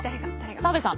澤部さん。